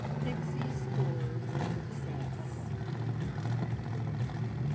PIXIE SCORES A SUCCESS.